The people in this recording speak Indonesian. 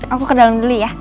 aku ke dalam beli ya